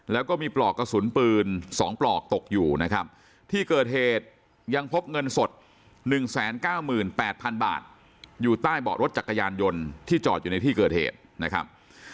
แล้วก็มีปลอกกระสุนปืน๒ปลอกตกอยู่นะครับที่เกิดเหตุยังพบเงินสด๑๙๘๐๐๐บาทอยู่ใต้เบาะรถจักรยานยนต์ที่จอดอยู่ในที่เกิดเหตุนะครับ